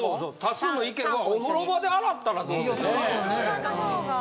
多数の意見はお風呂場で洗ったらどうですか？